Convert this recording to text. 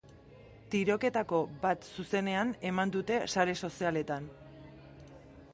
Tiroketako bat zuzenean eman dute sare sozialetan.